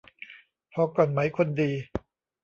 พอก่อนไหมคนดี